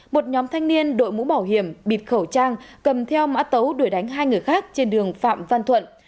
một nhóm thanh niên đội mũ bảo hiểm bịt khẩu trang cầm theo mã tấu đuổi đánh hai người khác trên đường phạm văn thuận